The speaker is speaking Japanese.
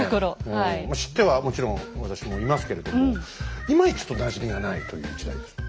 知ってはもちろん私もいますけれどもいまいちちょっとなじみがないという時代ですね。